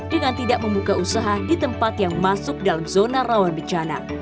dengan tidak membuka usaha di tempat yang masuk dalam zona rawan bencana